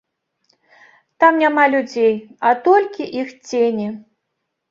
Там няма людзей, а толькі іх цені.